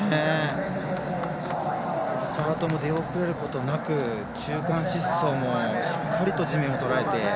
スタートも出遅れることなく中間疾走もしっかり地面をとらえて。